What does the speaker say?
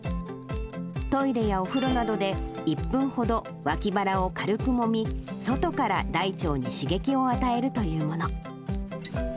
トイレやお風呂などで、１分ほど脇腹を軽くもみ、外から大腸に刺激を与えるというもの。